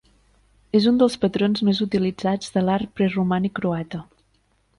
És un dels patrons més utilitzats de l'art preromànic croata.